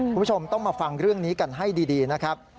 คุณผู้ชมต้องมาฟังเรื่องนี้กันให้ดีนะครับ